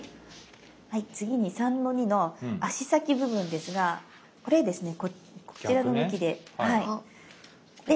次に３−２の足先部分ですがこれですねこちらの向きではい。